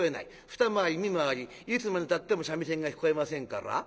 二回り三回りいつまでたっても三味線が聞こえませんから。